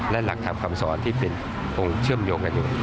และหลักทางคำสอนที่เป็นองค์เชื่อมโยคอยู่